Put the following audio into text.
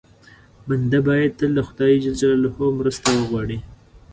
بنده باید تل له خدای ج مرسته وغواړي.